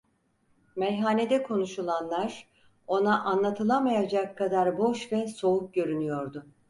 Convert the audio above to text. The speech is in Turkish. Meyhanede konuşulanlar ona anlatılamayacak kadar boş ve soğuk görünüyordu.